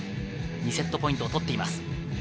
２セットポイントを取っています。